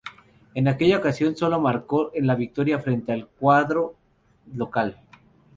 En aquella ocasión, solo marco en la victoria frente al cuadro local.